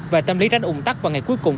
và tâm lý rách ung tắc vào ngày cuối cùng